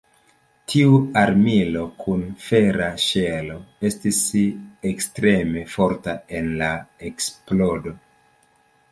Tiu armilo kun fera ŝelo estis ekstreme forta en la eksplodo.